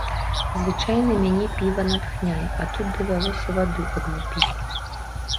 Звычайна мяне піва натхняе, а тут давялося ваду адну піць.